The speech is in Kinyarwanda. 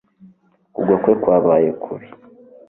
Kugwa kwe kwabaye kubi